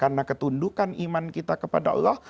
karena ketundukan iman kita kepada allah